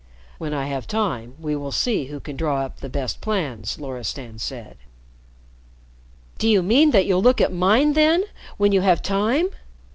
"When I have time, we will see who can draw up the best plans," Loristan said. "Do you mean that you'll look at mine then when you have time?"